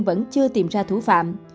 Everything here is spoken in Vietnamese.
vẫn chưa tìm ra thủ phạm